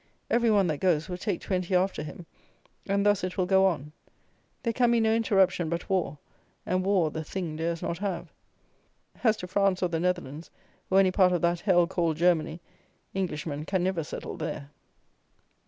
Every one that goes will take twenty after him; and thus it will go on. There can be no interruption but war; and war the Thing dares not have. As to France or the Netherlands, or any part of that hell called Germany, Englishmen can never settle there.